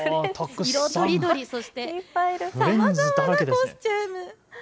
色とりどり、そしてさまざまなコスチューム。